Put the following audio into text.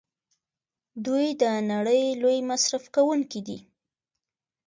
دوی د نړۍ لوی مصرف کوونکي دي.